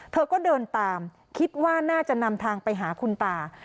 เธอก็เดินตามคิดว่าน่าจะนำทางไปหาคุณตา